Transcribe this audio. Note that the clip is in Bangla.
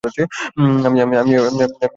আমি তার প্রেমে পড়েছি।